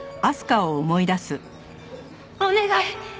お願い！